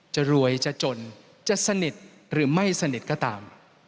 จะรวยจะจนจะสนิทหรือไม่สนิทก็ตาม